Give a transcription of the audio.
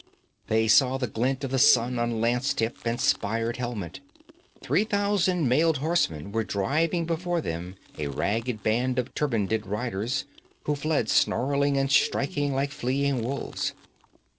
They saw the glint of the sun on lance tip and spired helmet. Three thousand mailed horsemen were driving before them a ragged band of turbaned riders, who fled snarling and striking like fleeing wolves.